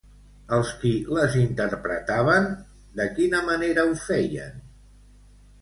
Els qui les interpretaven, de quina manera ho feien?